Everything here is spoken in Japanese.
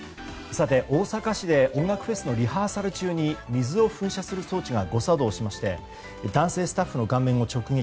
大阪市で音楽フェスのリハーサル中に水を噴射する装置が誤作動しまして男性スタッフの顔面を直撃。